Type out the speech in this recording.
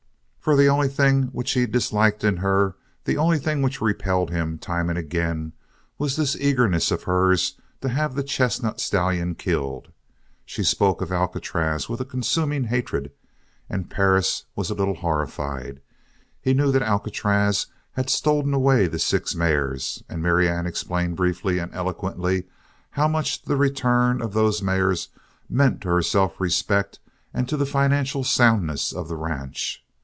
For the only thing which he disliked in her, the only thing which repelled him time and again, was this eagerness of hers to have the chestnut stallion killed. She spoke of Alcatraz with a consuming hatred. And Perris was a little horrified. He knew that Alcatraz had stolen away the six mares, and Marianne explained briefly and eloquently how much the return of those mares meant to her self respect and to the financial soundness of the ranch.